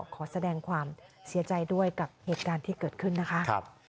ขอแสดงความเสียใจด้วยกับเหตุการณ์ที่เกิดขึ้นนะคะ